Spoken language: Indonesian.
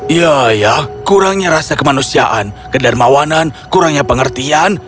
iya ya kurangnya rasa kemanusiaan kedarmawanan kurangnya pengertian